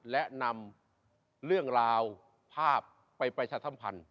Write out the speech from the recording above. และนำเรื่องราวภาพไปประชาสัมพันธ์